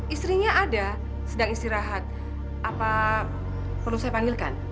istrinya ada sedang istirahat apa perlu saya panggilkan